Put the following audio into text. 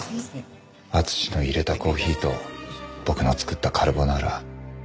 敦のいれたコーヒーと僕の作ったカルボナーラ。